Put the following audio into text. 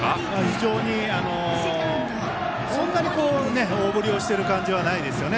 非常にそんなに大振りをしている感じはないですよね。